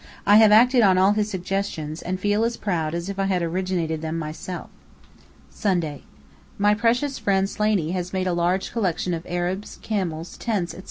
I have acted on all his suggestions, and feel as proud as if I had originated them myself. Sunday: My precious friend Slaney has made a large collection of Arabs, camels, tents, etc.